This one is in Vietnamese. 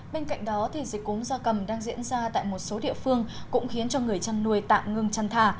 bên cạnh đó dịch cốm gia cầm đang diễn ra tại một số địa phương cũng khiến cho người chăn nuôi tạm ngừng chăn thà